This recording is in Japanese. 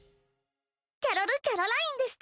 キャロル＝キャロラインでした！